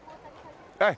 はい。